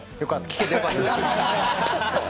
聞けてよかったです。